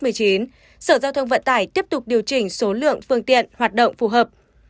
sở giao thông vận tải tiếp tục điều chỉnh số lượng phương tiện hoạt động phù hợp